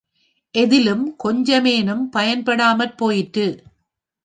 எதிலும் கொஞ்சமேனும் பயன்படாமற் போயிற்று.